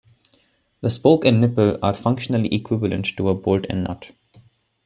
The spoke and nipple are functionally equivalent to a bolt and a nut.